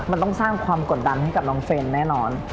มันต้องสร้างความกดดันให้กับน้องเฟรนแน่นอน